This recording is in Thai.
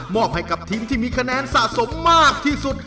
อบให้กับทีมที่มีคะแนนสะสมมากที่สุด